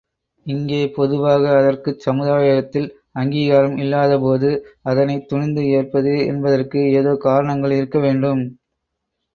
இங்கே பொதுவாக அதற்குச் சமுதாயத்தில் அங்கீகாரம் இல்லாதபோது அதனைத் துணிந்து ஏற்பது என்பதற்கு ஏதோ காரணங்கள் இருக்க வேண்டும்.